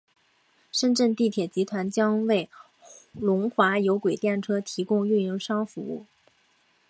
深圳地铁集团将为龙华有轨电车提供运营服务。